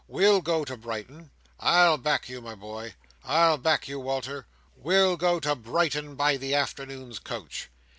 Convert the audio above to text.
"We'll go to Brighton. I'll back you, my boy. I'll back you, Wal"r. We'll go to Brighton by the afternoon's coach."